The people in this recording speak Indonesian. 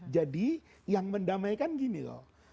jadi yang mendamaikan gini loh